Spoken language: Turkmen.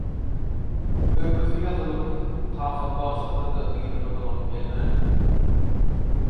Öýkesi ýazylyp, kakamy bagyşlasa-da yzyna dolanyp gelmändir.